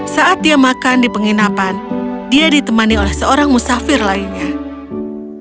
saat dia makan di penginapan dia ditemani oleh seorang musafir lainnya